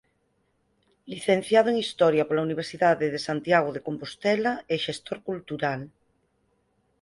Licenciado en Historia pola Universidade de Santiago de Compostela e xestor cultural.